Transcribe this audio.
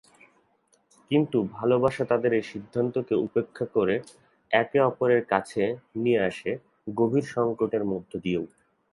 কিন্তু ভালোবাসা তাদের এই সিদ্ধান্তকে উপেক্ষা করে একে অপরের কাছে নিয়ে আসে গভীর সংকটের মধ্যে দিয়েও।